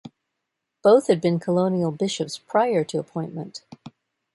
Both had been colonial bishops prior to appointment.